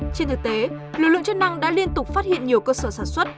trên thực tế lực lượng chức năng đã liên tục phát hiện nhiều cơ sở sản xuất